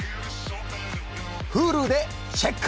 Ｈｕｌｕでチェック！